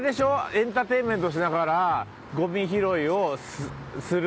エンターテインメントしながらゴミ拾いをする。